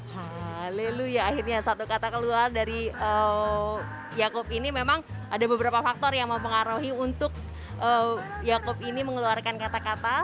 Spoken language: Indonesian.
hahaha lelu ya akhirnya satu kata keluar dari yaakub ini memang ada beberapa faktor yang mempengaruhi untuk yaakub ini mengeluarkan kata kata